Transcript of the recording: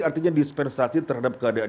artinya dispensasi terhadap keadaan